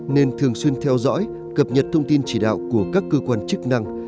nên thường xuyên theo dõi cập nhật thông tin chỉ đạo của các cơ quan chức năng